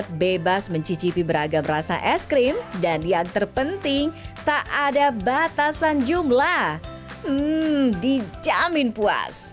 terima kasih sampai jumpa di video selanjutnya